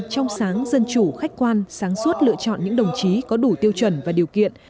trong sáng dân chủ khách quan sáng suốt lựa chọn những đồng chí có đủ tiêu chuẩn và điều kiện